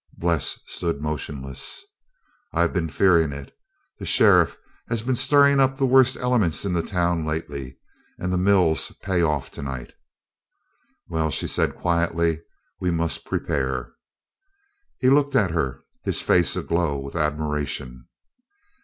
Bles stood motionless. "I've been fearing it. The sheriff has been stirring up the worst elements in the town lately and the mills pay off tonight." "Well," she said quietly, "we must prepare." He looked at her, his face aglow with admiration.